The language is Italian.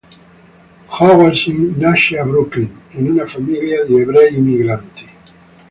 Howard Zinn nasce a Brooklyn in una famiglia di ebrei immigrati.